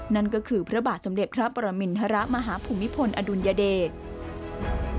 นั่นก็คือพระบาทสมเด็จพระปรมินทรมาฮภูมิพลอดุลยเดช